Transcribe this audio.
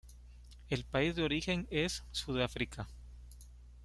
El país de origen es Sudáfrica.